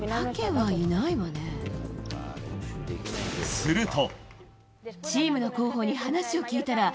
すると。